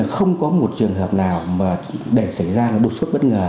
không có một trường hợp nào mà để xảy ra đột xuất bất ngờ